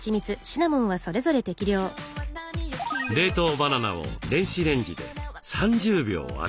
冷凍バナナを電子レンジで３０秒温めます。